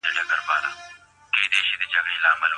په تيرو وختونو کي هم غيبت ډير ناوړه ګڼل کيده.